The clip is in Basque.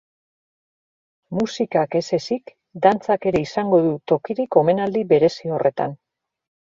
Musikak ez ezik, dantzak ere izango du tokirik omenaldi berezi horretan.